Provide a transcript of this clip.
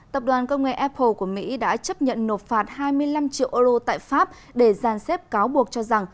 tập đoàn công nghệ apple của mỹ đã chấp nhận nộp phạt hai mươi năm triệu euro tại pháp để giàn xếp cáo buộc cho rằng